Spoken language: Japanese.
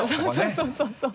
そうそうそう。